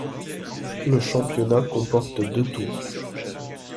Le championnat comporte deux tours.